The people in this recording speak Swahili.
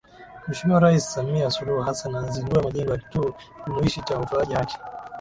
Mheshimiwa Rais Samia Suluhu Hassan azindua Majengo ya Kituo Jumuishi cha Utoaji Haki